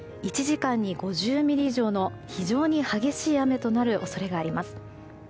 １時間に５０ミリ以上の非常に激しい雨となる恐れがあります。